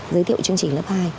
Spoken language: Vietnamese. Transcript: giới thiệu chương trình lớp hai